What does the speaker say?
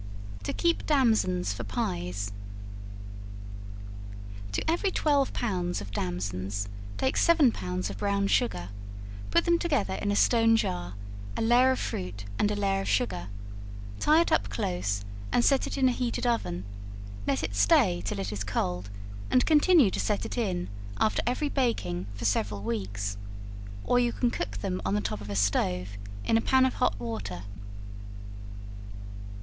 To keep Damsons for Pies. To every twelve pounds of damsons take seven pounds of brown sugar; put them together in a stone jar, a layer of fruit and a layer of sugar; tie it up close, and set it in a heated oven; let it stay till it is cold, and continue to set it in, after every baking, for several weeks; or you can cook them on the top of a stove, in a pan of hot water.